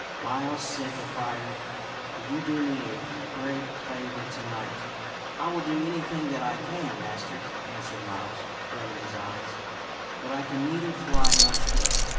" Miles," said the friar, " will you do me a great favor to night ?"" I will do anything that I can, master," answered Miles, rubbing his eyes ;" but I can neither fly nor swim.